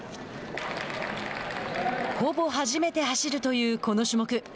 ほぼ初めて走るというこの種目。